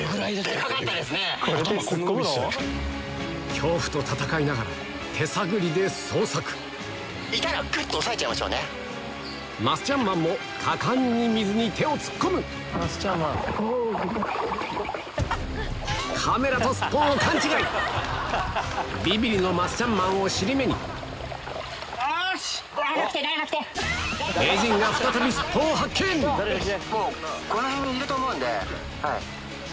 恐怖と闘いながら手探りで捜索マスチャンマンも果敢に水に手を突っ込むビビリのマスチャンマンを尻目に名人が再びスッポンを発見います？